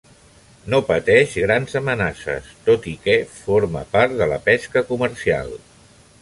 No pateix grans amenaces, tot i que forma part de la pesca comercial.